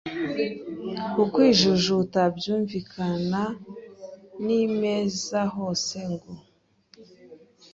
Ukwijujuta byumvikanalnimezahose ngo: